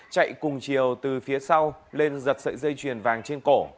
chạy cùng chiều từ phía sau lên giật sợi dây chuyền vàng trên cổ